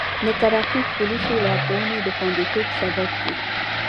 د ټرافیک پولیسو لارښوونې د خوندیتوب سبب دی.